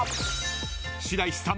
［白石さん